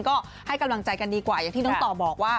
ก็ให้กำลังใจกันดีกว่า